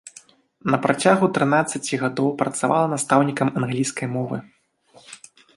На працягу трынаццаці гадоў працавала настаўнікам англійскай мовы.